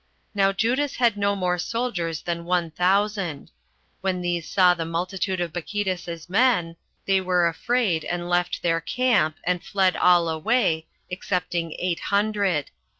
Now Judas had no more soldiers than one thousand. 29 When these saw the multitude of Bacchides's men, they were afraid, and left their camp, and fled all away, excepting eight hundred.